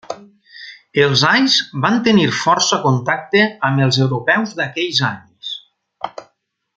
Els ais van tenir força contacte amb els europeus d'aquells anys.